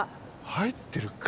入ってるか？